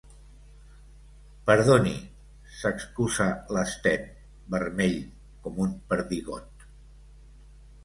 Perdoni —s'excusa l'Sten, vermell com un perdigot.